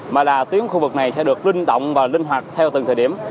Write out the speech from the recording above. mà là tuyến khu vực này sẽ được linh động và linh hoạt theo từng thời điểm